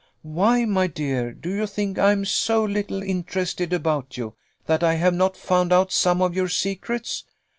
Why, my dear, do you think I am so little interested about you, that I have not found out some of your secrets?